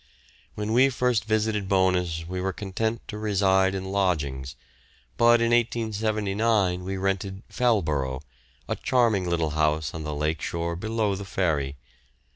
When we first visited Bowness we were content to reside in lodgings, but in 1879 we rented "Fellborough," a charming little house on the lake shore below the ferry.